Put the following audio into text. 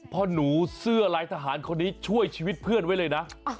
พ่อหนูเสื้อลายทหารคนนี้ช่วยชีวิตเพื่อนไว้เลยนะ